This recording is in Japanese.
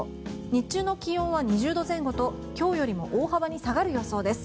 日中の気温は２０度前後と今日よりも大幅に下がる予想です。